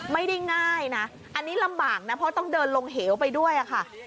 ง่ายนะอันนี้ลำบากนะเพราะต้องเดินลงเหวไปด้วยค่ะ